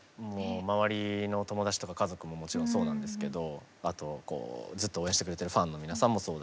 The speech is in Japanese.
周りの友達とか家族ももちろんそうなんですけどずっと応援してくれてるファンの皆さんもそうだし